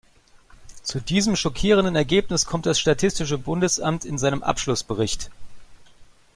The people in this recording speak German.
Zu diesem schockierenden Ergebnis kommt das statistische Bundesamt in seinem Abschlussbericht.